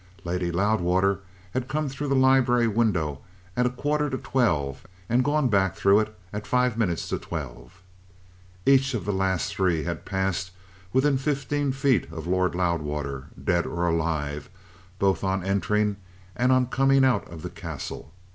Lady Loudwater had come through the library window at a quarter to twelve, and gone back through it at five minutes to twelve. Each of the last three had passed within fifteen feet of Lord Loudwater, dead or alive, both on entering and on coming out of the Castle.